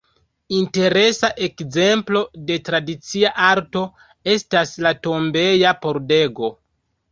Interesa ekzemplo de tradicia arto estas la tombeja pordego.